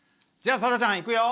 さださん、いくよ！